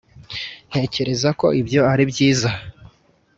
] ntekereza ko ibyo ari byiza.